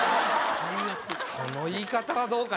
その言い方はどうかな。